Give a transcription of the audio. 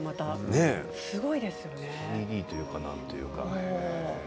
ＣＧというかなんというか。